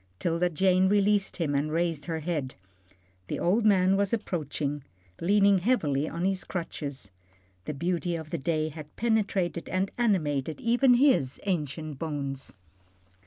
'Tilda Jane released him and raised her head. The old man was approaching, leaning heavily on his crutches. The beauty of the day had penetrated and animated even his ancient bones.